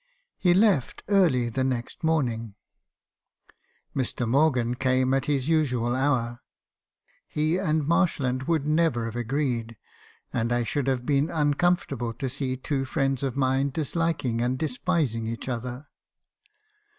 He left early the next morning. "Mr. Morgan came at his usual hour; he and Marshland would never have agreed, and I should have been uncom fortable to see two friends of mine disliking and despising each other.